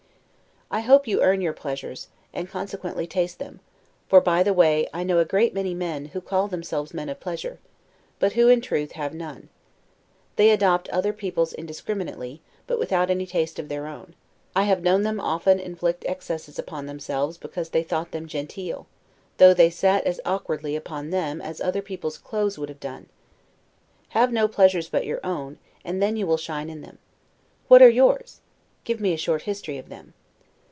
I hope you earn your pleasures, and consequently taste them; for, by the way, I know a great many men, who call themselves men of pleasure, but who, in truth, have none. They adopt other people's indiscriminately, but without any taste of their own. I have known them often inflict excesses upon themselves because they thought them genteel; though they sat as awkwardly upon them as other people's clothes would have done. Have no pleasures but your own, and then you will shine in them. What are yours? Give me a short history of them.